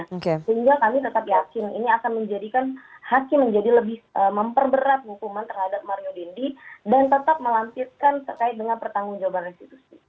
sehingga kami tetap yakin ini akan menjadikan hakim menjadi lebih memperberat hukuman terhadap mario dendi dan tetap melampirkan terkait dengan pertanggung jawaban restitusi